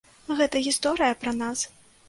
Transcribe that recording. Гэта гісторыя пра нас.